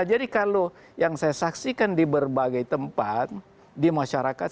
jadi kalau yang saya saksikan di berbagai tempat di masyarakat